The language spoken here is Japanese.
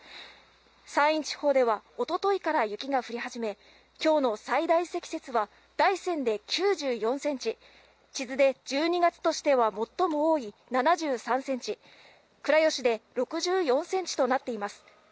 山陰地方ではおとといから雪が降り始め、きょうの最大積雪は大山で９４センチ、智頭で１２月としては最も多い７３センチ、倉吉で６４センチとなっています。